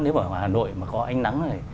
nếu mà hà nội có ánh nắng